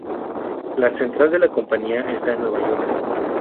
La central de la compañía está en Nueva York.